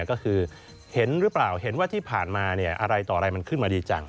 ก็คือเห็นหรือเปล่าเห็นว่าที่ผ่านมาอะไรต่ออะไรมันขึ้นมาดีจัง